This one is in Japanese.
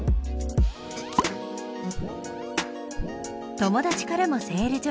友達からもセール情報。